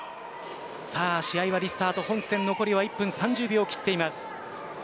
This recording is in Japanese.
試合はリスタート本戦は残り１分３０秒を切っています。